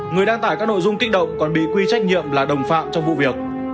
người đăng tải các nội dung kích động còn bị quy trách nhiệm là đồng phạm trong vụ việc